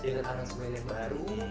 dengan aransemen yang baru